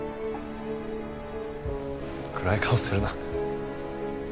暗い顔するな。